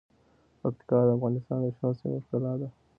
پکتیکا د افغانستان د شنو سیمو ښکلا ده.